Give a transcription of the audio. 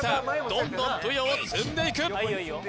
どんどんぷよを積んでいく・